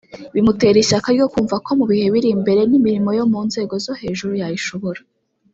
bimutera ishyaka ryo kumva ko mu bihe biri imbere n’imirimo yo mu nzego zo hejuru yayishobora